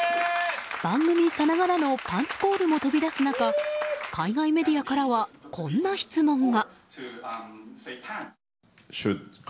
番組さながらのパンツコールも飛び出す中海外メディアからはこんな質問が。